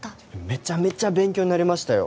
めちゃめちゃ勉強になりましたよ